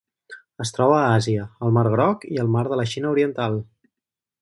Es troba a Àsia: el Mar Groc i el Mar de la Xina Oriental.